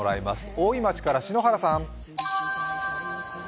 大井町から篠原さん。